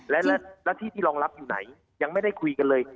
และที่ที่รองรับอยู่ไหนยังไม่ได้คุยกันเลย